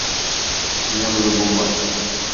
Ниңә бөгөн булмай?